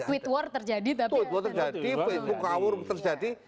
tweet war terjadi buka awur terjadi